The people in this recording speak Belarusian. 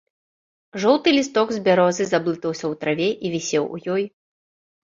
Жоўты лісток з бярозы заблытаўся ў траве і вісеў у ёй.